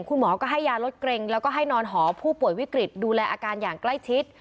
คุณหมอก็ให้ยาลดเกร็งแล้วก็ให้นอนหอผู้ป่วยวิกฤตดูแลอาการอย่างใกล้ชิด